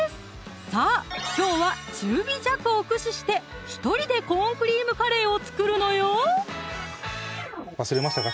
さぁきょうは中火弱を駆使して１人で「コーンクリームカレー」を作るのよ忘れましたか？